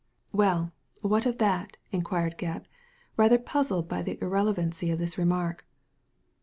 "Well. What of that?" inquired Gebb, rather puzzled by the irrelevancy of this remark.